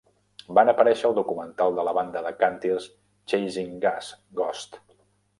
Van aparèixer al documental de la banda de càntirs Chasin 'Gus' Ghost.